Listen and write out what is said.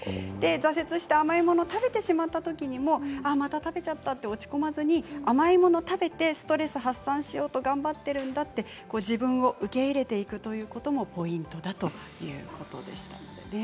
挫折して甘いものを食べてしまったときにもまた食べてしまったと落ち込まずに、甘いもの食べてストレス発散しようと頑張っているんだと自分を受け入れることもポイントだということです。